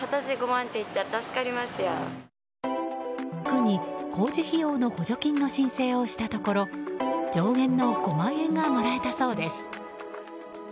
区に工事費用の補助金の申請をしたところ上限の５万円がもらえたそうです。